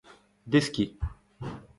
deskiñ